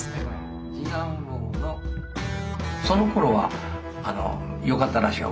そのころはよかったらしい。